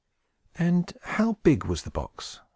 "And how big was the box?"